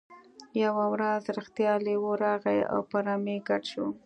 یوه ورځ رښتیا لیوه راغی او په رمې ګډ شو.